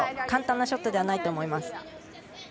簡単なショットではないと思います。